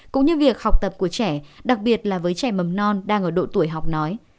cũng như việc học tập của trẻ đặc biệt là với trẻ mầm non đang ở độ tuổi học nói